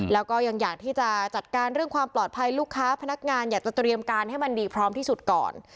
แล้วก็ยังอยากที่จะจัดการเรื่องความปลอดภัยลูกค้าพนักงานอยากจะเตรียมการให้มันดีพร้อมที่สุดก่อน